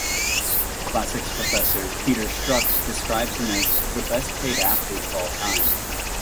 Classics professor Peter Struck describes him as "the best paid athlete of all time".